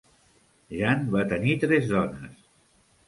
Jan va tenir tres dones.